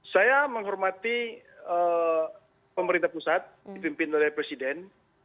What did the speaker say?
saya menghormati pemerintah pusat dipimpin oleh presiden